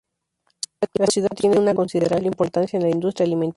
La ciudad tiene una considerable importancia en la industria alimenticia.